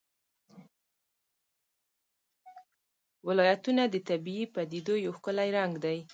ولایتونه د طبیعي پدیدو یو ښکلی رنګ دی.